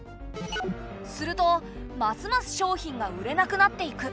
するとますます商品が売れなくなっていく。